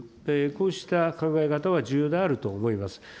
こうした考え方は重要であると思います。